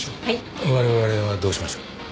我々はどうしましょう？